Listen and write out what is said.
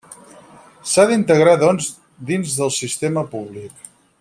S'ha d'integrar doncs dins del sistema públic.